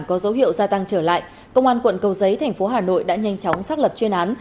có dấu hiệu gia tăng trở lại công an quận cầu giấy thành phố hà nội đã nhanh chóng xác lập chuyên án